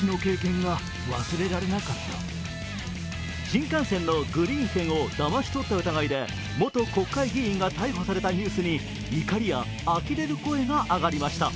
新幹線のグリーン券をだまし取った疑いで元国会議員が逮捕されたニュースに怒りやあきれる声が上がりました。